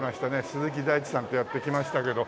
鈴木大地さんとやって来ましたけど。